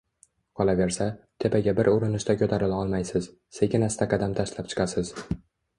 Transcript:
Qolaversa, tepaga bir urinishda ko‘tarila olmaysiz, sekin-asta qadam tashlab chiqasiz.